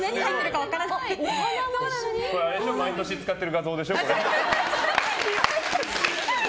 毎年使ってる画像でしょ？